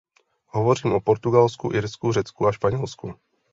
Hovořím o Portugalsku, Irsku, Řecku a Španělsku.